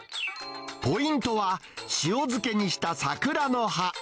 ポイントは、塩漬けにした桜の葉。